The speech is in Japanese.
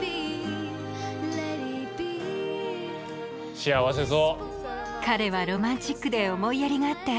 幸せそう。